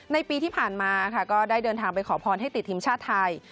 ในปีที่ผ่านมาค่ะก็ได้เดินทางไปขอพรให้ติดทีมชาติไทย